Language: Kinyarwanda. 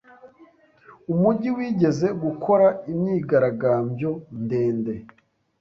Umujyi wigeze gukora imyigaragambyo ndende